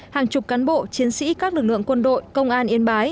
hàng chục cán bộ chiến sĩ các lực lượng quân đội công an yên bái